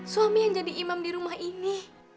suami yang jadi imam di rumah ini